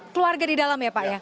keluarga di dalam ya pak ya